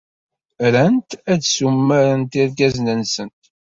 Rant ad ssumarent irgazen-nsent.